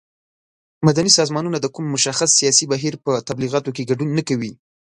مدني سازمانونه د کوم مشخص سیاسي بهیر په تبلیغاتو کې ګډون نه کوي.